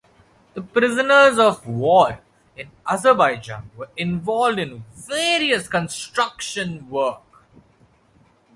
The prisoners of war in Azerbaijan were involved in various construction work.